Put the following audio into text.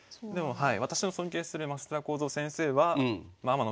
はい。